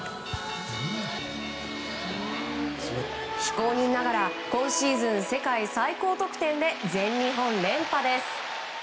非公認ながら今シーズン世界最高得点で全日本連覇です。